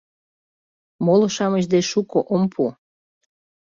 — Моло-шамыч деч шуко ом пу.